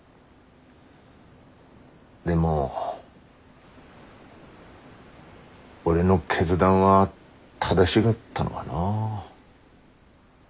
でも俺の決断は正しがったのがなあ。